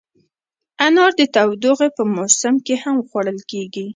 انار د تودوخې په موسم کې هم خوړل کېږي.